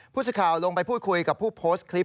สิทธิ์ลงไปพูดคุยกับผู้โพสต์คลิป